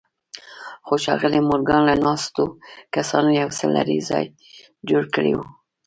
خو ښاغلي مورګان له ناستو کسانو يو څه لرې ځای جوړ کړی و.